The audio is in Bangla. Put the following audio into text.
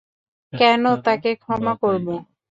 কেন তাকে ক্ষমা করবো?